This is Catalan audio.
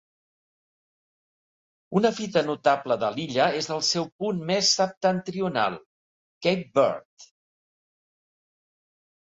Una fita notable de l'illa és el seu punt més septentrional, Cape Byrd.